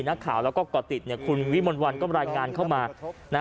นักข่าวแล้วก็ก่อติดคุณวิมลวันก็รายงานเข้ามา